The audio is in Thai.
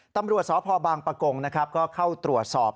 ตำรวจสภบางปะกงก็เข้าตรวจสอบ